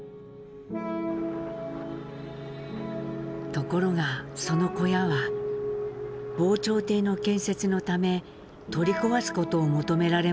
ところがその小屋は防潮堤の建設のため取り壊すことを求められました。